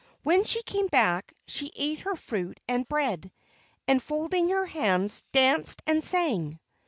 When she came back she ate her fruit and bread, and, folding her hands, danced and sang.